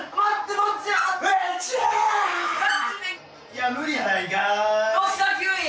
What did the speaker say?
いや無理やないかい！